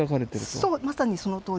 そうまさにそのとおりです。